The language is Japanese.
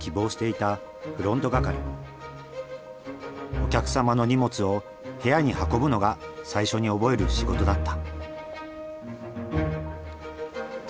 お客様の荷物を部屋に運ぶのが最初に覚える仕事だった。